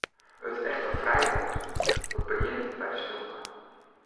It echte frij wêzen, dat begjint by de stilte.